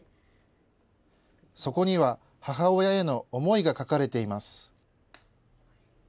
そこには母親への思いが書かれています。